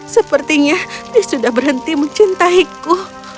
sepertinya dia sudah berhenti mencintai ku